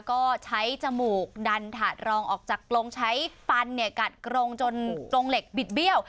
ก็ใช้จมูกดันถาดรองออกจากกรงใช้ฟันกัดกรงจนกรงเหล็กบิดเบี้ยว